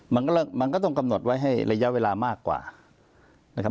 มันก็มันก็ต้องกำหนดไว้ให้ระยะเวลามากกว่านะครับ